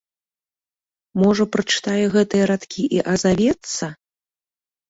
Можа, прачытае гэтыя радкі і азавецца?